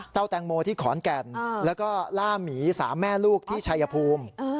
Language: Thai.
แตงโมที่ขอนแก่นแล้วก็ล่าหมี๓แม่ลูกที่ชายภูมิ